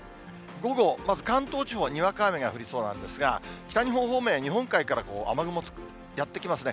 午後、まず関東地方にわか雨が降りそうなんですが、北日本方面、日本海から雨雲やって来ますね。